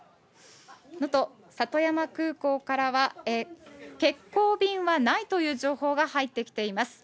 能登さとやま空港からは、欠航便はないという情報が入ってきています。